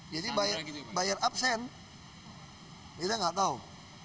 jadi bayar absen kita nggak tahu